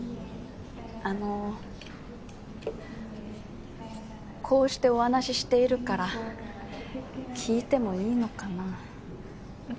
あのこうしてお話ししているから聞いてもいいのかなうん？